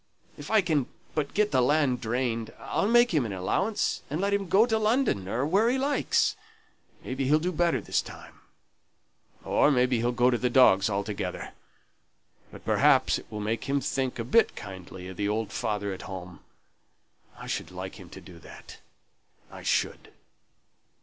If I can but get the land drained I'll make him an allowance, and let him go to London, or where he likes. Maybe he'll do better this time, or maybe he'll go to the dogs altogether; but perhaps it will make him think a bit kindly of the old father at home I should like him to do that, I should!"